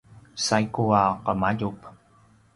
saigu a qemaljup